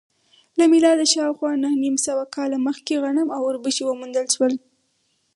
له میلاده شاوخوا نهه نیم سوه کاله مخکې غنم او اوربشې وموندل شول